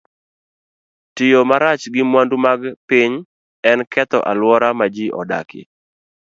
Tiyo marach gi mwandu mag piny en ketho alwora ma ji odakie.